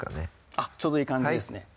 あっちょうどいい感じですね